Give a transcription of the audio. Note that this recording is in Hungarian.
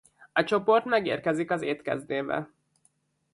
A csoport megérkezik az étkezdébe.